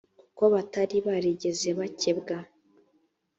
kuko batari barigeze bakebwa